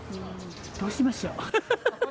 どうしましょう。